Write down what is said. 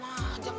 banten lo ya